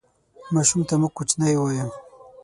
ماشوم ته موږ کوچنی وایو